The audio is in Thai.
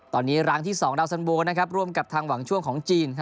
ตอนนี้ร้างที่๒ดาวสันโบร่วมกับทางหวังช่วงของจีน